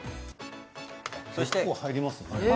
結構、入りますね。